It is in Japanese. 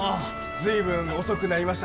随分遅くなりました。